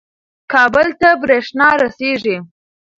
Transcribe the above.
کابل ته برېښنا رسیږي.